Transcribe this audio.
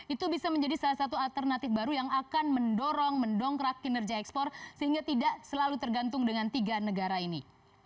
itu bisa menjadi salah satu alternatif baru yang akan mendorong mendongkrak kinerja ekspor sehingga tidak selalu tergantung dengan tiga negara ini